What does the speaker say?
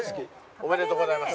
おめでとうございます。